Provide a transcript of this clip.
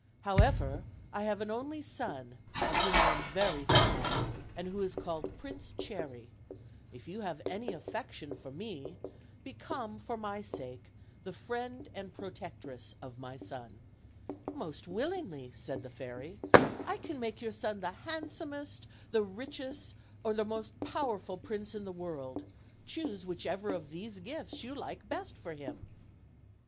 However, I have an only son, of whom I am very fond, and who is called Prince Cherry: if yon have any affection for me, become, for my sake, the friend and protectress of my son." "Most willingly," said the fairy; "I can make your son the handsomest, the richest, or the most powerful prince in the world: choose whichever of these gifts you like best for him."